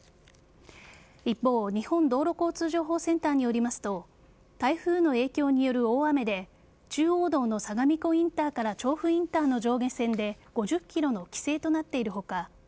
一方日本道路交通情報センターによりますと台風の影響による大雨で中央道の相模湖インターから調布インターの上下線で５０キロの規制となっている他